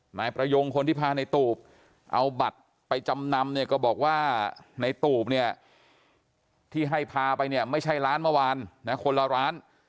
นายประยงคนที่พาในตูบเอาบัตรไปจำนำเนี่ยก็บอกว่าในตูบเนี่ยที่ให้พาไปเนี่ยไม่ใช่ร้านเมื่อวานนะคนละร้าน